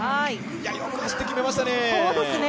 よく走って決めましたね。